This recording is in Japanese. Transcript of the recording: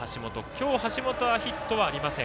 今日、橋本はヒットはありません。